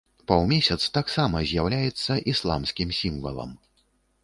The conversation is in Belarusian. Паўмесяц таксама з'яўляецца ісламскім сімвалам.